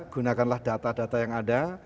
gunakanlah data data yang ada